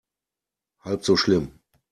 Halb so schlimm.